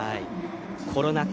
コロナ禍